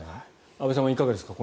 阿部さんはいかがですか？